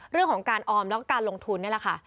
เรื่องของการออมแล้วก็การลงทุนนี่แหละค่ะ